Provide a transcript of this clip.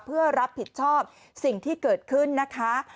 เพื่อรับผิดชอบสิ่งที่เกิดขึ้นนะคะ